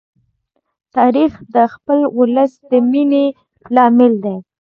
تاریخ د خپل ولس د مینې لامل دی.